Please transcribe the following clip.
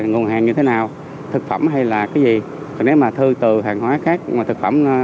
nguồn hàng như thế nào thực phẩm hay là cái gì nếu mà thư từ hàng hóa khác mà thực phẩm